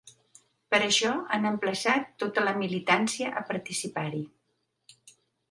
Per això han emplaçat tota la militància a participar-hi.